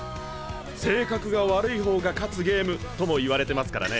性格が悪い方が勝つゲームとも言われてますからね。